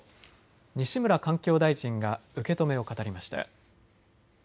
西村環境大臣が受け止めを語りました。